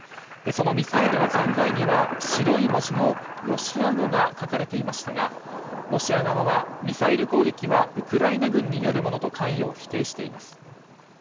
そのミサイルの残骸には白い文字のロシア語が描かれていましたがロシア側はミサイル攻撃はウクライナ軍によるものと関与を否定しています。